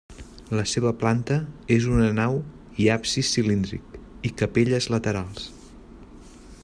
La seva planta és una nau i absis cilíndric i capelles laterals.